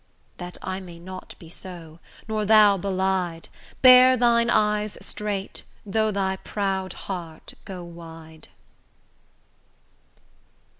That I may not be so, nor thou belied, Bear thine eyes straight, though thy proud heart go wide.